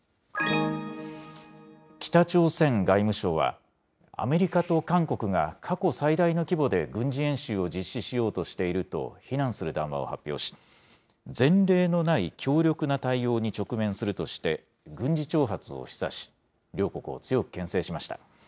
北朝鮮外務省は、アメリカと韓国が過去最大の規模で軍事演習を実施しようとしていると非難する談話を発表し、前例のない強力な対応に直面するとして、軍事挑発を示唆し、両国を強くけん制しました。